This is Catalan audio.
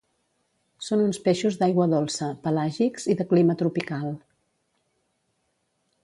Són uns peixos d'aigua dolça, pelàgics i de clima tropical.